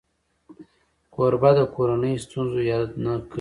کوربه د کورنۍ ستونزو یاد نه کوي.